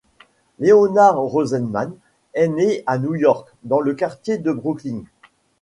Leonard Rosenman est né à New York, dans le quartier de Brooklyn.